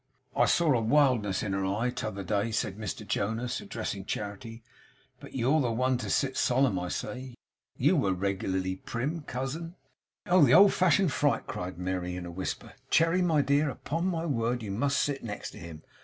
'I saw a wildness in her eye, t'other day,' said Mr Jonas, addressing Charity. 'But you're the one to sit solemn! I say You were regularly prim, cousin!' 'Oh! The old fashioned fright!' cried Merry, in a whisper. 'Cherry my dear, upon my word you must sit next him.